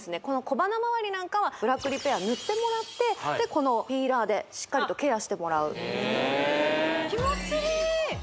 小鼻周りなんかはブラックリペア塗ってもらってこのピーラーでしっかりとケアしてもらう気持ちいい！